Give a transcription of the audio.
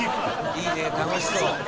「いいね楽しそう」